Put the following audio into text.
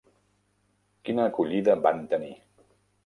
Quina acollida van tenir.